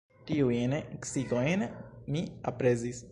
Tiujn sciigojn mi aprezis.